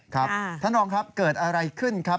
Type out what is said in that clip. ครับท่านรองครับเกิดอะไรขึ้นครับ